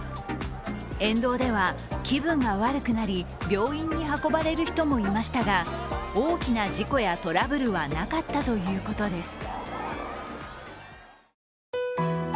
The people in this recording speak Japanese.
沿道では気分が悪くなり、病院に運ばれる人もいましたが、大きな事故やトラブルはなかったということです。